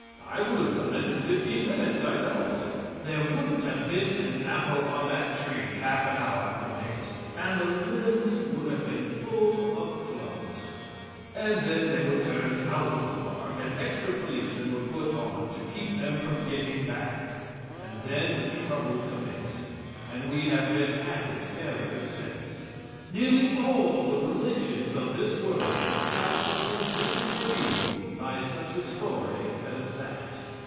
I would have done it in fifteen minutes, I know it. There wouldn't have been an apple on that tree half an hour from date, and the limbs would have been full of clubs. And then they were turned out of the park and extra policemen were put on to keep them from getting back. And then trouble commenced and we have been at it ever since. Nearly all the religions of this world account for the existence of evil by such a story as that.